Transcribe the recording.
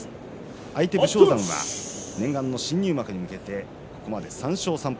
相手の武将山は念願の新入幕に向けてここまで３勝３敗。